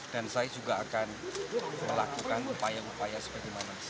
dan saya juga akan melakukan upaya upaya seperti mana